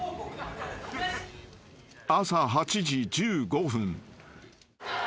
［朝８時１５分］